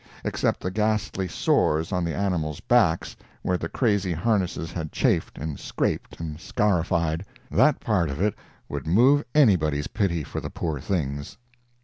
Except the ghastly sores on the animals' backs, where the crazy harness had chafed, and scraped, and scarified—that part of it would move anybody's pity for the poor things.